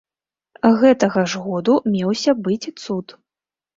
Гэтага ж году меўся быць цуд.